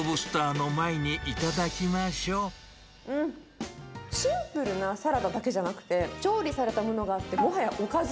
では、うん、シンプルなサラダだけじゃなくて、調理されたものがあって、もはやおかず。